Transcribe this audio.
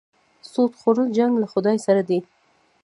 سود خوړل جنګ له خدای سره دی.